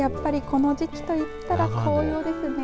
この時期といったら紅葉ですね。